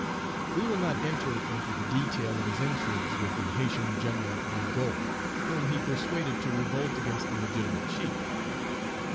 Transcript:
We will not enter into the detail of his intrigues with the Haytian General, Rigaud, whom he persuaded to revolt against the legitimate chief.